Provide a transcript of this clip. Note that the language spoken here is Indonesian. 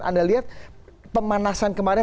anda lihat pemanasan kemarin